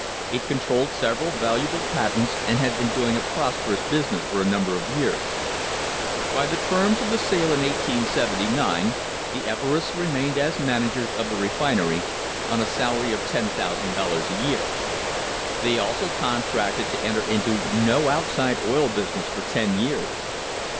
It controlled several valuable patents and had been doing a prosperous business for a num ber of years. By the terms of the sale in 1879 the Everests remained as managers of the refinery, on a salary of $10,000 a year. They also contracted to enter into no outside oil business for ten years.